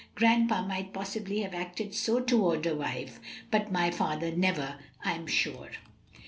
Grandpa might possibly have acted so toward a wife, but my father never, I am sure."